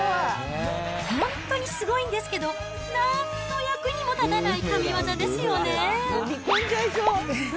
本当にすごいんですけど、なんの役にも立たない神業ですよね。